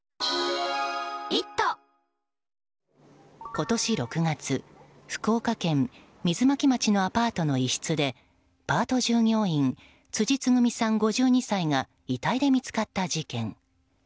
今年６月福岡県水巻町のアパートの一室でパート従業員辻つぐみさん、５２歳が遺体で見つかった事件。